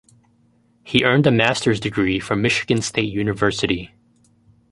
He earned a master's degree from Michigan State University.